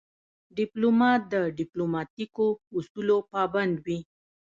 ډيپلومات د ډیپلوماتیکو اصولو پابند وي.